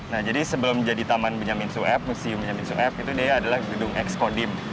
nah jadi sebelum jadi taman benyamin sukar museum benyamin sukar itu dia adalah gedung ekskodim